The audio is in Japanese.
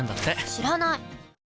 知らない！